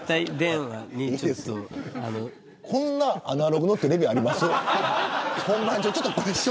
こんなアナログのテレビありますか。